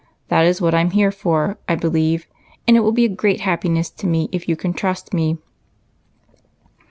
That is what I 'm here for, I believe, and it will be a great happiness to me if you can trust me."